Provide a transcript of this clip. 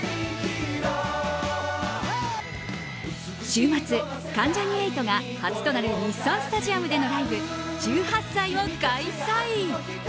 週末、関ジャニ∞が初となる日産スタジアムでのライブ「１８祭」を開催。